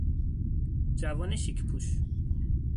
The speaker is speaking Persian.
جوان شیک پوش